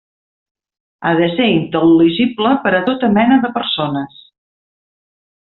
Ha de ser intel·ligible per a tota mena de persones.